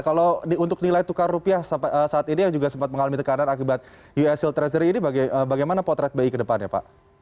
kalau untuk nilai tukar rupiah saat ini yang juga sempat mengalami tekanan akibat ushild treasury ini bagaimana potret bi ke depannya pak